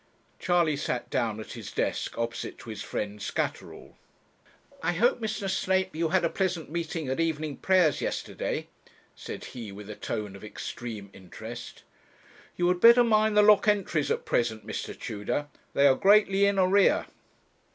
Charley sat down at his desk opposite to his friend Scatterall. 'I hope, Mr. Snape, you had a pleasant meeting at evening prayers yesterday,' said he, with a tone of extreme interest. 'You had better mind the lock entries at present, Mr. Tudor; they are greatly in arrear.'